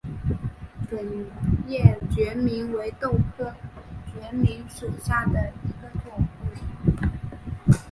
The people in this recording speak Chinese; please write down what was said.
粉叶决明为豆科决明属下的一个种。